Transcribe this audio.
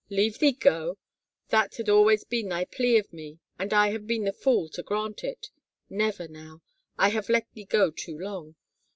" Leave thee go! That had always been thy plea of me and I 242 THE MARCHIONESS have been the fool to grant it. Never now — I have let thee go too long.